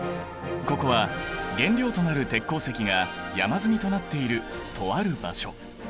ここは原料となる鉄鉱石が山積みとなっているとある場所。